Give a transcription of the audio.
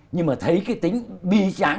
nhưng mà thấy cái tính bi tráng